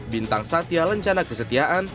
bintang satya lencana kesetiaan